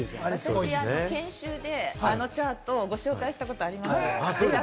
研修であのチャートをご紹介したことあります。